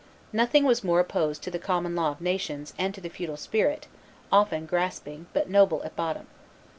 Nothing was more opposed to the common law of nations and to the feudal spirit, often grasping, but noble at bottom.